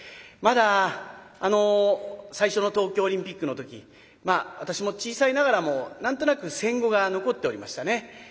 まだ最初の東京オリンピックの時私も小さいながらも何となく戦後が残っておりましたね。